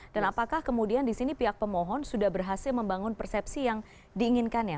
dan apakah kemudian disini pihak pemohon sudah berhasil membangun persepsi yang diinginkannya